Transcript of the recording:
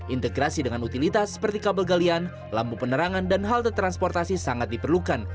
integrasi dengan utilitas seperti kabel galian lampu penerangan dan halte transportasi sangat diperlukan